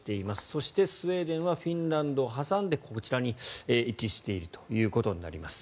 そして、スウェーデンはフィンランドを挟んでこちらに位置しているということになります。